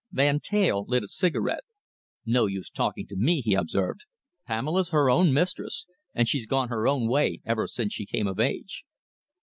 Van Teyl lit a cigarette. "No use talking to me," he observed. "Pamela's her own mistress, and she's gone her own way ever since she came of age."